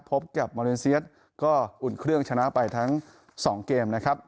พบกับมาเลเซียสก็อุ่นเครื่องชนะไปทั้งสองเกมนะครับ